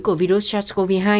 của virus sars cov hai